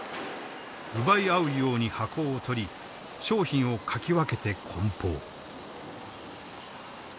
奪い合うように箱を取り商品をかき分けてこん包。